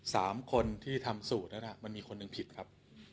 สามคนที่ทำสูตรนั้นมันมีคนหนึ่งผิดครับ